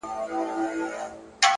پرمختګ د دوامداره هڅې نتیجه ده.!